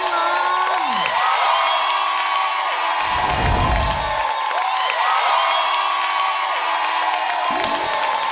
รับสู้ชิงงาน